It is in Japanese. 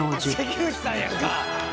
関口さんやんか！